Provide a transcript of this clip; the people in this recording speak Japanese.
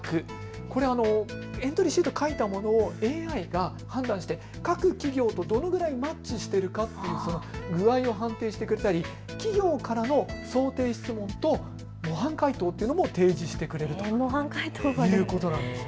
これ、エントリーシートを書いたものをＡＩが判断して各企業とどれくらいマッチしているかというその具合を判定してくれたり、企業をからの想定質問と模範解答というのも提示してくれるということなんです。